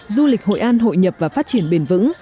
du lịch hội an hội nhập và phát triển bền vững